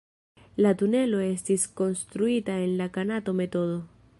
La tunelo estis konstruita en la Kanato-metodo.